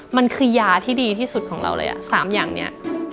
มันคือยาที่ดีที่สุดของเราเลย๓อย่างนี้